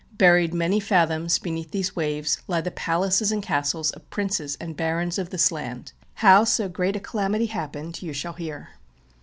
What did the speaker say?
Buried many fathoms beneath these waves lie the palaces and castles of princes and barons of this land. How so great a calamity happened you shall hear.